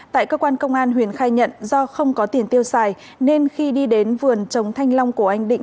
tại cơ quan công an huyền khai nhận do không có tiền tiêu xài nên khi đi đến vườn chống thanh long của anh định